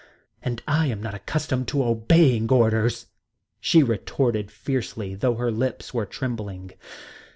"And I am not accustomed to obeying orders," she retorted fiercely, though her lips were trembling.